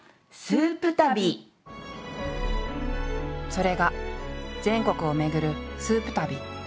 それが全国を巡るスープ旅。